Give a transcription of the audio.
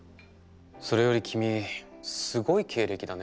それより君すごい経歴だね。